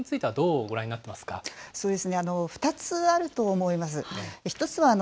この可能性についてはどうご覧になってますか。